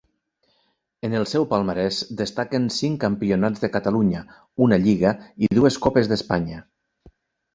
En el seu palmarès destaquen cinc campionats de Catalunya, una lliga i dues copes d'Espanya.